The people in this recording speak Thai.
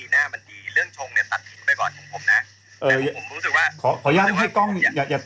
ไม่ใช่ครับพี่หมอจริงเป็นแก้ปีชง